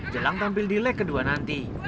jelang tampil di leg kedua nanti